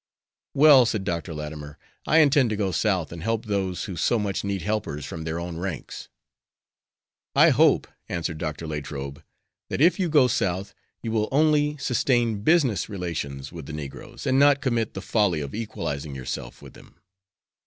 "Well," said Dr. Latimer, "I intend to go South, and help those who so much need helpers from their own ranks." "I hope," answered Dr. Latrobe, "that if you go South you will only sustain business relations with the negroes, and not commit the folly of equalizing yourself with them."